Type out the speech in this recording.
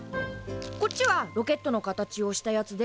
こっちはロケットの形をしたやつで。